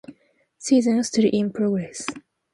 Season still in progress.